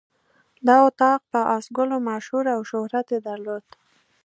دا اطاق په آس ګلو مشهور او شهرت یې درلود.